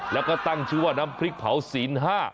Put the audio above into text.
แล้วก็ตั้งชื่อว่าน้ำพริกเผาศีล๕